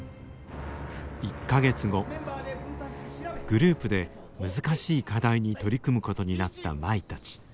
グループで難しい課題に取り組むことになった舞たち。